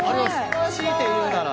強いて言うなら？